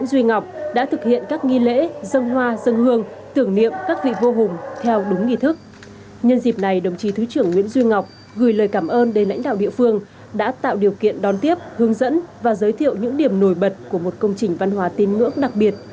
nhân dịp này đồng chí thứ trưởng nguyễn duy ngọc gửi lời cảm ơn đến lãnh đạo địa phương đã tạo điều kiện đón tiếp hướng dẫn và giới thiệu những điểm nổi bật của một công trình văn hóa tin ngưỡng đặc biệt